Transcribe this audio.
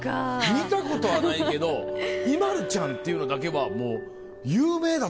見たことはないけどＩＭＡＬＵちゃんっていうのだけはもう有名だったもん。